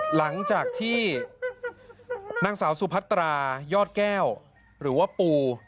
หลังจากที่นางสาวสุพัตรายอดแก้วหรือว่าปู